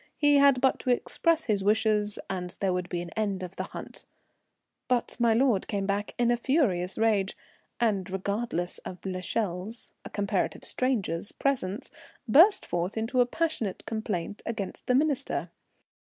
He had but to express his wishes, and there would be an end of the hunt. But my lord came back in a furious rage, and, regardless of l'Echelle's a comparative stranger's presence, burst forth into passionate complaint against the Minister.